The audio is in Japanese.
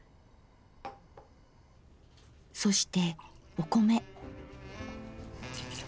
そしてお米。